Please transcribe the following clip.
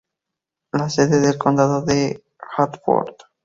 La sede del condado es Hartford.